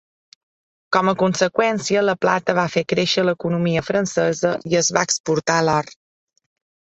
Com a conseqüència, la plata va fer créixer l'economia francesa i es va exportar l'or.